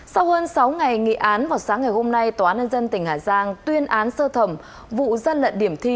sau hơn sáu ngày nghị án vào sáng ngày hôm nay tòa án nhân dân tỉnh hà giang tuyên án sơ thẩm vụ gian lận điểm thi